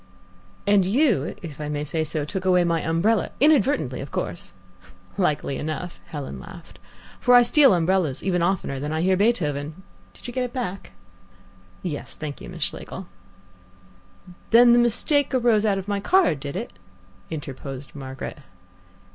"And you, if I may say so, took away my umbrella, inadvertently of course." "Likely enough," Helen laughed, "for I steal umbrellas even oftener than I hear Beethoven. Did you get it back?" "Yes, thank you, Miss Schlegel." "The mistake arose out of my card, did it?" interposed Margaret.